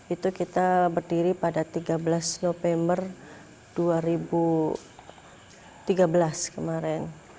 itu kita berdiri pada tiga belas november dua ribu tiga belas kemarin